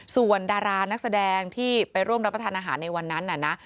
ส่วนดารานักแสดงที่ไปร่วมรับประทานอาหารในวันนั้นน่ะนะ